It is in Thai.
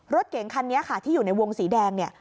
รถเก๋งคันนี้ค่ะที่อยู่ในวงสีแดงเนี่ย